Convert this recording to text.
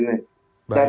dan itu kita beri